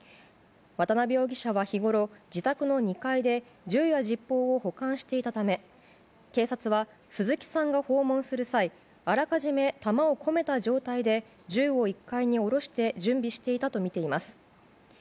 渡辺容疑者は日ごろ自宅の２階で銃や実包を保管していたため警察は鈴木さんが訪問する際あらかじめ弾を込めた状態で銃を１階に下ろして準備していたとみています。